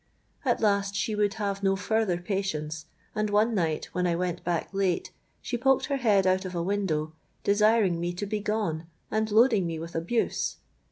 At last she would have no further patience; and one night when I went back late, she poked her head out of a window, desiring me to begone and loading me with abuse.